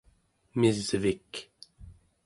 misvik